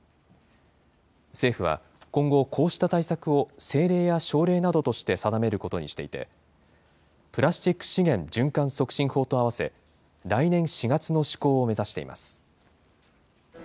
政府は今後、こうした対策を政令や省令などとして定めることにしていて、プラスチック資源循環促進法とあわせ、来年４月の施行を目指しています。